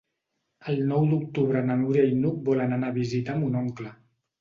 El nou d'octubre na Núria i n'Hug volen anar a visitar mon oncle.